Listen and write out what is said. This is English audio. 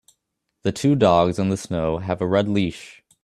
The two dogs in the snow have a red leash